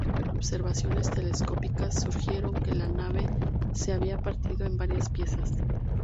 Observaciones telescópicas sugirieron que la nave se había partido en varias piezas.